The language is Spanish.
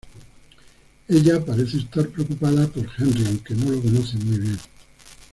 Ella parece estar preocupada por Henry aunque no lo conoce muy bien.